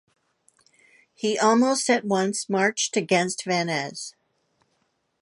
He almost at once marched against Vannes.